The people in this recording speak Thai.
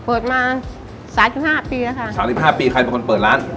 เปิดมาสามสิบห้าปีแล้วค่ะสามสิบห้าปีใครเป็นคนเปิดร้าน